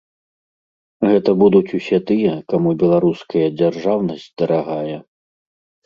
Гэта будуць усе тыя, каму беларуская дзяржаўнасць дарагая.